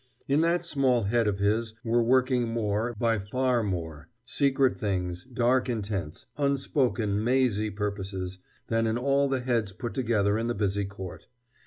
In that small head of his were working more, by far more, secret things, dark intents, unspoken mazy purposes, than in all the heads put together in the busy court.